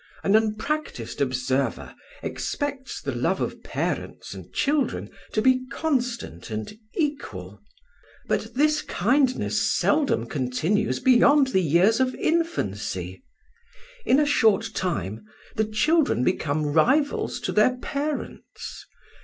An unpractised observer expects the love of parents and children to be constant and equal. But this kindness seldom continues beyond the years of infancy; in a short time the children become rivals to their parents.